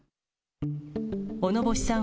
小野星さん